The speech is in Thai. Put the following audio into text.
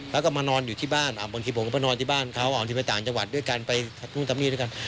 เขาก็มานอนอยู่ที่บ้านบางทีผมก็ไปนอนที่บ้านเขาบางทีไปต่างจังหวัดด้วยกันไปนู่นทำนี่ด้วยกัน